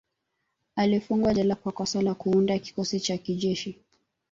Alifungwa jela kwa kosa la Kuunda kikosi cha kijeshi